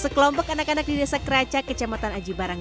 sekelompok anak anak di desa keraca kecamatan aji barang